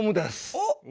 おっ。